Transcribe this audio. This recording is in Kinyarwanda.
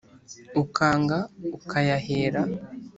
ukanga ukayahera.